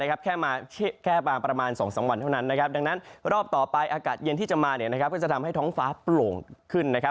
แค่บางประมาณ๒๓วันเท่านั้นดังนั้นรอบต่อไปอากาศเย็นที่จะมาก็จะทำให้ท้องฟ้าโปร่งขึ้น